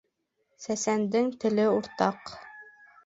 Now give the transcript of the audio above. Сәсәндең теле уртаҡ